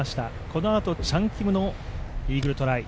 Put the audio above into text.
このあとチャン・キムのイーグルトライ。